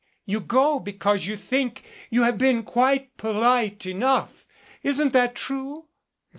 You go because you think you have been quite polite enough. Isn't that true?"